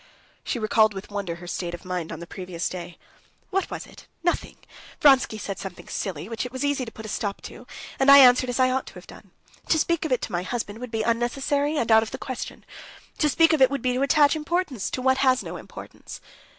She recalled with wonder her state of mind on the previous day. "What was it? Nothing. Vronsky said something silly, which it was easy to put a stop to, and I answered as I ought to have done. To speak of it to my husband would be unnecessary and out of the question. To speak of it would be to attach importance to what has no importance."